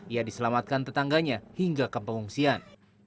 ia diselamatkan tetangganya hingga ke pengungsian